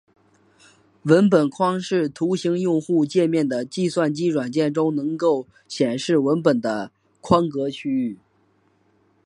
文本框是图形用户界面的计算机软件中能够显示文本的框格区域。